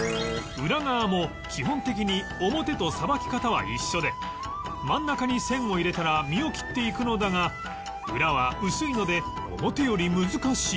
裏側も基本的に表とさばき方は一緒で真ん中に線を入れたら身を切っていくのだが裏は薄いので表より難しい